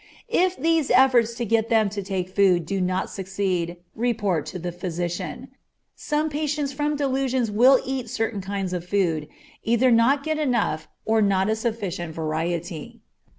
If these efforts to get them to take food do not succeed, report to the physician. Some patients from delusions will eat certain kinds of food, and either not get enough or not a sufficient variety.